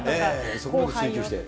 そこまで追求して。